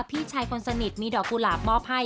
พี่ชายคนสนิทมีดอกกุหลาบมอบให้